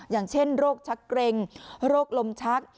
อย่างเช่นโรคชักเกร็งโรคลมชัก